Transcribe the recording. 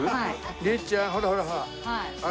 律ちゃんほらほらほら。